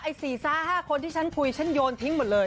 ๔ซ้า๕คนที่ฉันคุยฉันโยนทิ้งหมดเลย